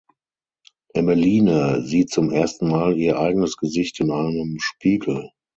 Emmeline sieht zum ersten Mal ihr eigenes Gesicht in einem Spiegel.